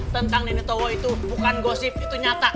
tentang nenek towo itu bukan gosip itu nyata